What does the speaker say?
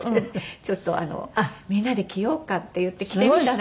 ちょっとみんなで着ようかっていって着てみたら。